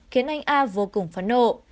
khiến anh a vô cùng phấn nộ